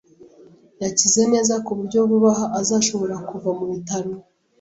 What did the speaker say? Yakize neza, kuburyo vuba aha azashobora kuva mubitaro.